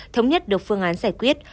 thống nhất được phương án giải quyết